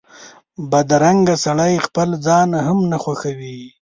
بدرنګه سړی خپل ځان هم نه خوښوي